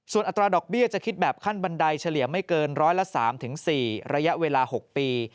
ส่วนอัตราดอกเบี้ยจะคิดแบบขั้นบันไดเฉลี่ยไม่เกินร้อยละ๓๔ระยะเวลา๖ปี